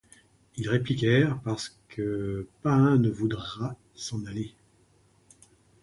Ils répliquèrent: — Parce que pas un ne voudra s’en aller.